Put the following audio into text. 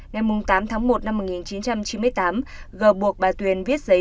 ngày tám tháng một năm một nghìn chín trăm chín mươi tám g buộc bà tuyền viết giấy